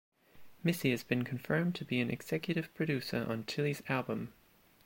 Missy has been confirmed to be an executive producer on Chilli's album.